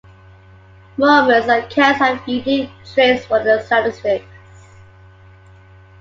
Romans and Celts have unique traits for their statistics.